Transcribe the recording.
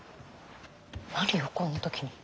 何よこんな時に。